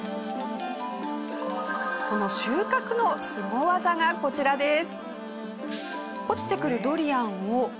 その収穫のスゴ技がこちらです。